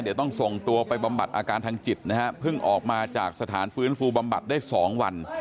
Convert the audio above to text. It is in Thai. เดี๋ยวต้องส่งตัวไปบำบัดอาการทางจิตนะฮะเพิ่งออกมาจากสถานฟื้นฟูบำบัดได้๒วัน